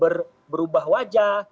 kurikulumnya ini juga berubah wajah